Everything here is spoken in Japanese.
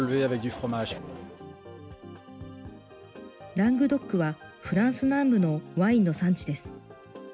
ラングドックはフランス南部のワインの産地です。